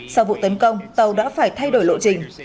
sau vụ tấn công tàu đã phải thay đổi lộ trình